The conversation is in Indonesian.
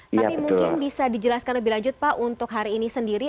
tapi mungkin bisa dijelaskan lebih lanjut pak untuk hari ini sendiri